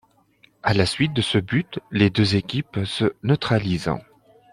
À la suite de ce but, les deux équipes se neutralisent.